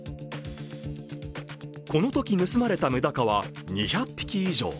このとき盗まれたメダカは２００匹以上。